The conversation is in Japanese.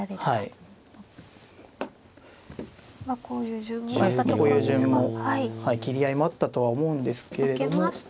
はいこういう順も斬り合いもあったとは思うんですけれども。